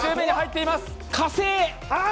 火星。